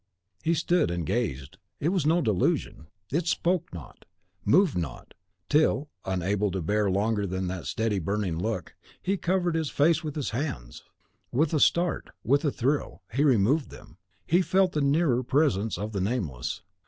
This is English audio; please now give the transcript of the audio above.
He stood and gazed, it was no delusion. It spoke not, moved not, till, unable to bear longer that steady and burning look, he covered his face with his hands. With a start, with a thrill, he removed them; he felt the nearer presence of the nameless.